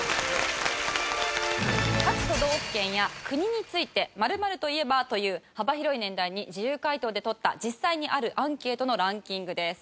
各都道府県や国について「〇〇と言えば？」という幅広い年齢に自由回答で取った実際にあるアンケートのランキングです。